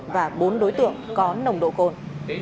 và bốn đối tượng có nồng độ cồn